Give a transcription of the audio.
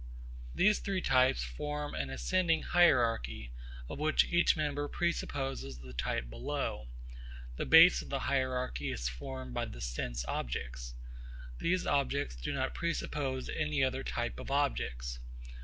These three types form an ascending hierarchy, of which each member presupposes the type below. The base of the hierarchy is formed by the sense objects. These objects do not presuppose any other type of objects.